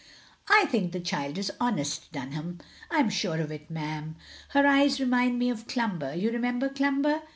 "I think the child is honest, Dunham." "I am sure of it, ma'am." "Her eyes remind me of Cltmiber — ^you re member Cltmiber?